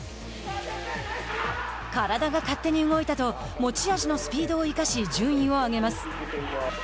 体が勝手に動いたと持ち味のスピードを生かし順位を上げます。